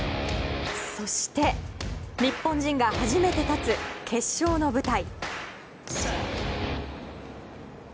そして日本人が初めて立つ決勝の舞台。